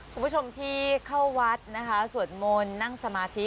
คุณผู้ชมที่เข้าวัดนะคะสวดมนต์นั่งสมาธิ